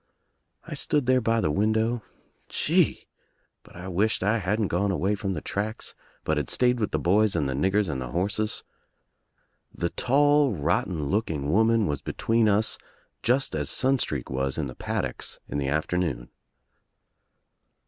I stood there by the window — gee !— but I wished I hadn't gone away from the tracks, but had stayed with the boys and the niggers and the horses. The tall rotten looking woman was between us just as Sunstreak was in the paddocks in the afternoon.